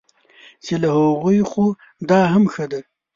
چې له هغوی خو دا هم ښه دی.